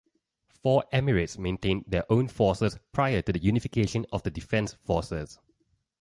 Four Emirates maintained their own forces prior to the unification of the defence forces.